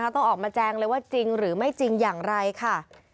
ต้องออกมาแจงเลยว่าจริงหรือไม่จริงอย่างไรค่ะ